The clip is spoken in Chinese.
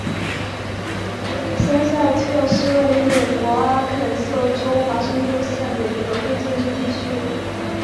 森塞特是位于美国阿肯色州华盛顿县的一个非建制地区。